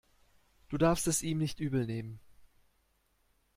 Du darfst es ihm nicht übel nehmen.